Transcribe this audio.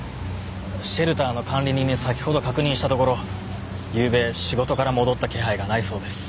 シェルターの管理人に先ほど確認したところゆうべ仕事から戻った気配がないそうです。